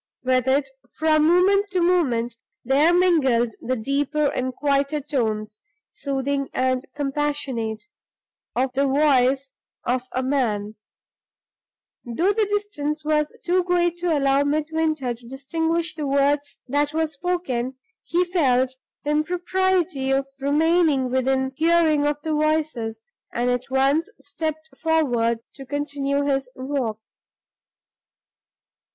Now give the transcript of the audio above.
With it, from moment to moment, there mingled the deeper and quieter tones, soothing and compassionate, of the voice of a man. Although the distance was too great to allow Midwinter to distinguish the words that were spoken, he felt the impropriety of remaining within hearing of the voices, and at once stepped forward to continue his walk.